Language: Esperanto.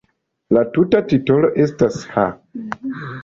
La tuta titolo estas "Ha!